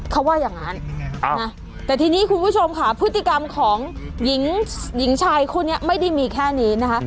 เขาว่าอย่างนั้นแต่ทีนี้คุณผู้ชมค่ะพฤติกรรมของหญิงชายคู่นี้ไม่ได้มีแค่นี้นะคะ